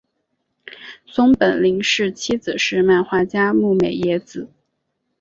松本零士妻子是漫画家牧美也子。